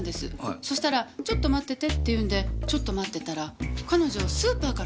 そしたらちょっと待っててって言うんでちょっと待ってたら彼女スーパーから帰ってきたんですよ。